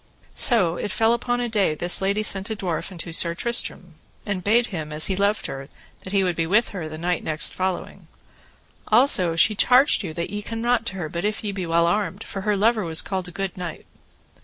So it fell upon a day this lady sent a dwarf unto Sir Tristram, and bade him, as he loved her, that he would be with her the night next following. Also she charged you that ye come not to her but if ye be well armed, for her lover was called a good knight.